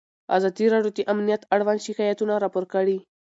ازادي راډیو د امنیت اړوند شکایتونه راپور کړي.